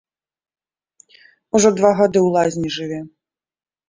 Ужо два гады ў лазні жыве.